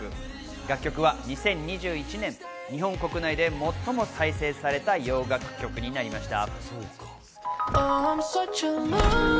楽曲は２０２１年、日本国内で最もストリーミング再生された洋楽曲になりました。